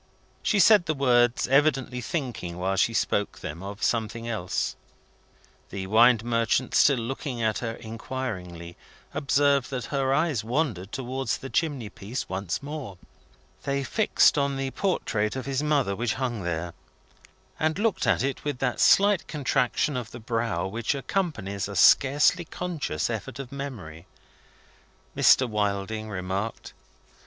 She said the words, evidently thinking while she spoke them of something else. The wine merchant, still looking at her inquiringly, observed that her eyes wandered towards the chimney piece once more. They fixed on the portrait of his mother, which hung there, and looked at it with that slight contraction of the brow which accompanies a scarcely conscious effort of memory. Mr. Wilding remarked.